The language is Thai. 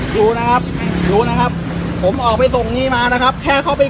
ดูนะครับดูนะครับผมออกไปตรงนี้มานะครับแค่เข้าไป